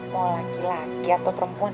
mau laki laki atau perempuan